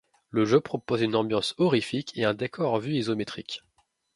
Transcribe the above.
Le jeu propose une ambiance horrifique et un décor en vue isométrique.